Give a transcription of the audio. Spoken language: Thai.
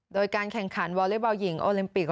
โดยการแข่งขันวอเล็กบอลหญิงโอลิมปิก